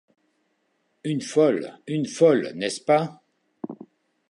Une folle ! une folle ! n’est-ce pas ?